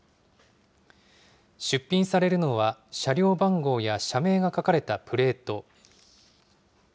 出品されるのは車両番号や社名が書かれたプレート。